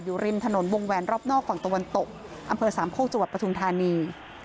ริมถนนวงแวนรอบนอกฝั่งตะวันตกอำเภอสามโคกจังหวัดปทุมธานี